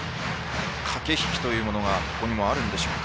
駆け引きというものがここにはあるんでしょうか。